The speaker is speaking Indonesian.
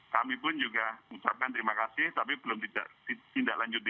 kami pun juga mengucapkan terima kasih tapi belum ditindaklanjuti